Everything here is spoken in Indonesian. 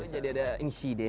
jadi ada insiden